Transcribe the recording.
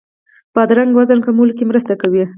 بادرنګ وزن کمولو کې مرسته کوي.